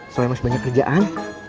soalnya masih banyak kerjaan